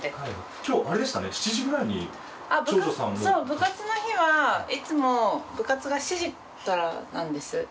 部活の日はいつも部活が７時からなんです。